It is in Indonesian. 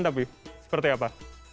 tapi seperti apa